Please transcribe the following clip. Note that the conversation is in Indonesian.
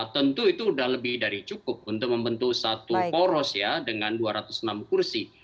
tentu itu sudah lebih dari cukup untuk membentuk satu poros ya dengan dua ratus enam kursi